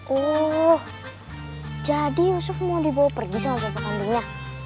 uh jadi yusuf mau dibawa pergi sama bapak kandungnya